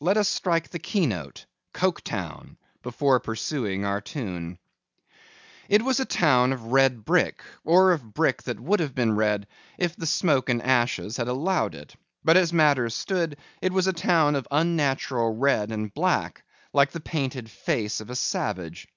Let us strike the key note, Coketown, before pursuing our tune. It was a town of red brick, or of brick that would have been red if the smoke and ashes had allowed it; but as matters stood, it was a town of unnatural red and black like the painted face of a savage.